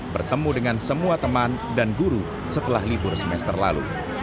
bertemu dengan semua teman dan guru setelah libur semester lalu